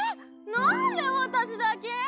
なんでわたしだけ？